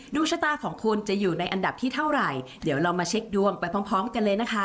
ดวงชะตาของคุณจะอยู่ในอันดับที่เท่าไหร่เดี๋ยวเรามาเช็คดวงไปพร้อมพร้อมกันเลยนะคะ